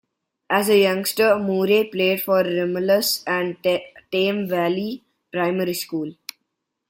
As a youngster, Moore played for Romulus and Tame Valley Primary School.